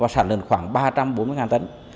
và sản lượng khoảng ba trăm bốn mươi tấn